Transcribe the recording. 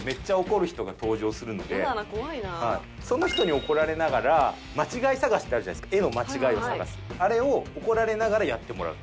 その人に怒られながら間違い探しってあるじゃないですか絵の間違いを探すあれを怒られながらやってもらう。